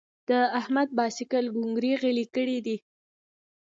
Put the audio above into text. د احمد باسکل کونګري غلي کړي دي.